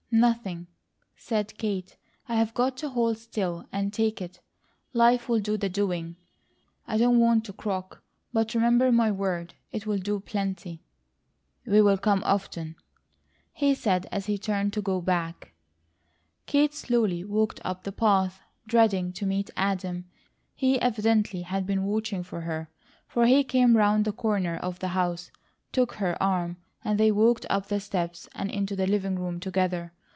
"Nothing," said Kate. "I've got to hold still, and take it. Life will do the doing. I don't want to croak, but remember my word, it will do plenty." "We'll come often," he said as he turned to go back. Kate slowly walked up the path, dreading to meet Adam. He evidently had been watching for her, for he came around the corner of the house, took her arm, and they walked up the steps and into the living room together.